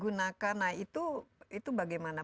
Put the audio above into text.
gunakan nah itu bagaimana